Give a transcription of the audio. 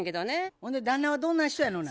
ほんで旦那はどんな人やのな？